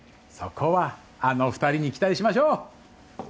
そこはあの２人に期待しましょう。